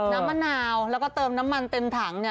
น้ำมะนาวแล้วก็เติมน้ำมันเต็มถัง